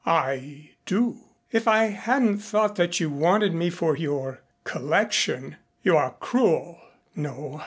"I do." "If I hadn't thought that you wanted me for your collection " "You are cruel " "No.